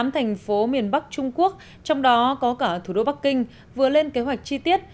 tám thành phố miền bắc trung quốc trong đó có cả thủ đô bắc kinh vừa lên kế hoạch chi tiết